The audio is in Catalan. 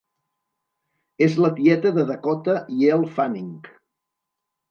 És la tieta de Dakota i Elle Fanning.